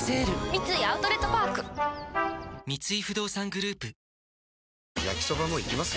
三井アウトレットパーク三井不動産グループ焼きソバもいきます？